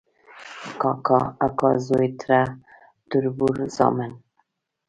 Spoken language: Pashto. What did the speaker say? کاکا، اکا زوی ، تره، تربور، زامن ،